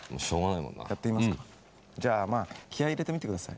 じゃあまあ気合い入れてみてください。